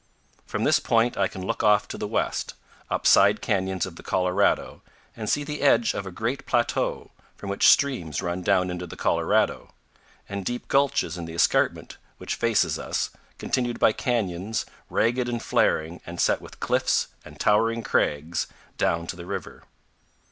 From this point I can look off to the west, up side canyons of the Colorado, and see the edge of a great plateau, from which streams run down into the Colorado, and deep gulches in the 243 powell canyons 156.jpg ADOBE WALLS, ZUÑI 244 CANYONS OF THE COLORADO. escarpment which faces us, continued by canyons, ragged and flaring and set with cliffs and towering crags, down to the river.